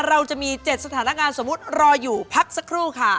เราจะมี๗สถานการณ์สมมุติรออยู่พักสักครู่ค่ะ